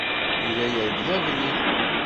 Yella yergel abrid.